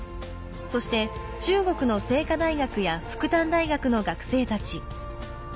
そして中国の清華大学や復旦大学の学生たち。